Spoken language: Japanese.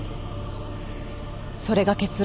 それが結論？